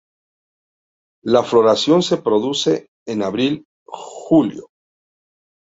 La floración se produce en abr–julio.